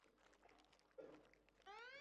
正副州长不在同一张选票上选举。